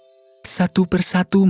ketika mereka berdua akan mencari kemampuan